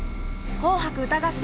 「紅白歌合戦」